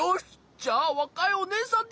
じゃあわかいおねえさんで！